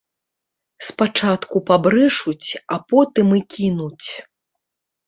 Спачатку пабрэшуць, а потым і кінуць.